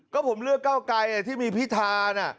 ก็ผมเลือกเก้าไกรที่มีพิธานะ